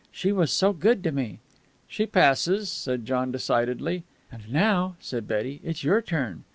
"She was so good to me!" "She passes," said John decidedly. "And now," said Betty, "it's your turn."